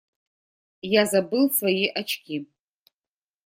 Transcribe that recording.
Я забыл свои очки.